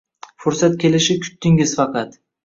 Fursat kelishi kutdingiz faqat